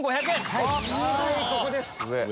はいここです。